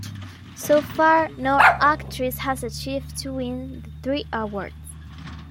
So far, no actress has achieved to win the three awards.